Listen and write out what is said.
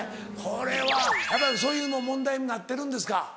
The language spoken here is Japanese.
これはやっぱりそういうの問題になってるんですか？